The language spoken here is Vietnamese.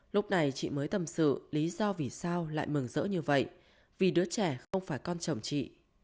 lúc này chị mới tâm sự lý do vì sao lại mừng rỡ như vậy vì đứa trẻ không phải con chồng chị